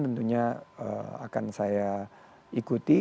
tentunya akan saya ikuti